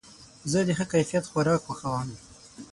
زه د ښه کیفیت خوراک خوښوم.